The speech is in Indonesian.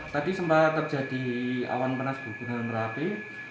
tadi sempat terjadi awan panas guguran merapi